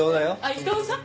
伊東さん？